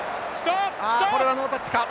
あこれはノータッチか？